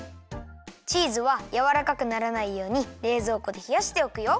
チーズはやわらかくならないようにれいぞうこでひやしておくよ。